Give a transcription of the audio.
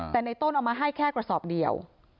แต่ในต้นเอามาให้แค่กระสอบเดียว